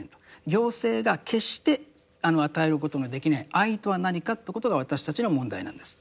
行政が決して与えることのできない愛とは何かということが私たちの問題なんですって